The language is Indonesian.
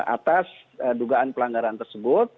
atas dugaan pelanggaran tersebut